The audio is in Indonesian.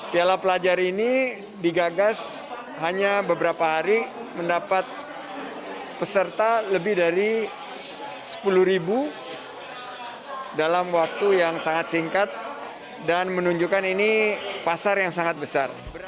piala pelajar ini digagas hanya beberapa hari mendapat peserta lebih dari sepuluh ribu dalam waktu yang sangat singkat dan menunjukkan ini pasar yang sangat besar